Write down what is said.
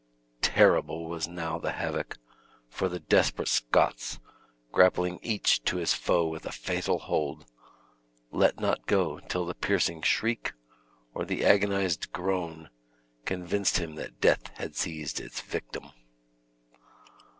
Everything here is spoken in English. Terrible was now the havoc, for the desperate Scots, grapling each to his foe with a fatal hold, let not go till the piercing shriek, or the agonized groan, convinced him that death had seized its victim.